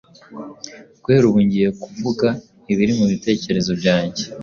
Guhera ubu ngiye kuvuga ibiri mubitekerezo byanjye.